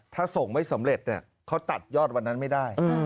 ถ้าส่งไม่สำเร็จเขาตัดยอดวันนั้นไม่ได้